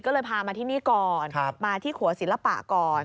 ก็เลยพามาที่นี่ก่อนมาที่ขัวศิลปะก่อน